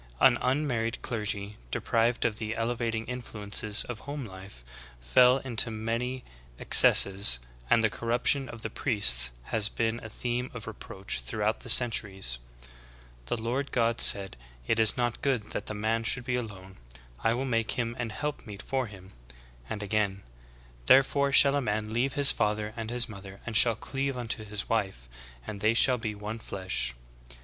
An unmarried clergy, deprived of the elevating influences of home life, fell into many exces /Matt. 24:26. ^Mosbcim, "Eccl. Hist," Cent. TV, Part TI, ch. 3: 12, 13. DISREGARD FOR TRUTH. 107 ses, and the corruption of the priests has been a theme of reproach throughout the centuries. 'The Lord God said, It is not good that the man should be alone ; I will make him an help meet for him,"'' and again "Therefore shall a man leave his father and his mother, and shall cleave unto his wife ; and they shall be one flesh."'"